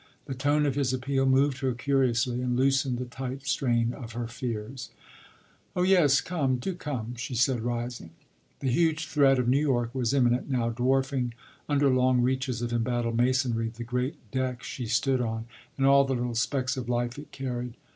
The tone of his appeal moved her curiously and loosened the tight strain of her fears. “Oh, yes, come do come,” she said, rising. The huge threat of New York was imminent now, dwarfing, under long reaches of embattled masonry, the great deck she stood on and all the little specks of life it carried.